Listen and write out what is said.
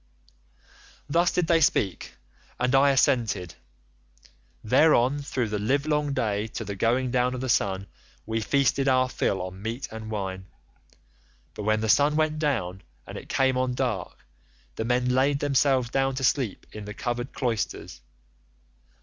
"Thus did they speak and I assented. Thereon through the livelong day to the going down of the sun we feasted our fill on meat and wine, but when the sun went down and it came on dark the men laid themselves down to sleep in the covered cloisters.